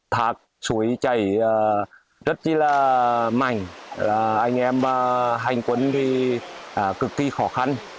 thác suối chảy rất là mạnh anh em hành quấn cực kỳ khó khăn